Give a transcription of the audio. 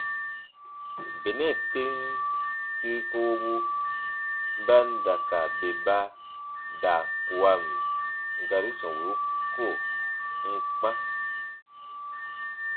Benɛ tem siri kowobu ba n da ka bè ba daa kuwan gari sɔmburu ko n n kpã.